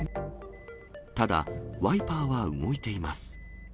ただ、ワイパーは動いています。